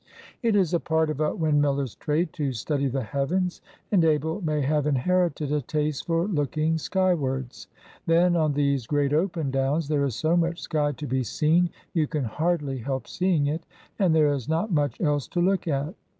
It is a part of a windmiller's trade to study the heavens, and Abel may have inherited a taste for looking skywards. Then, on these great open downs there is so much sky to be seen, you can hardly help seeing it, and there is not much else to look at.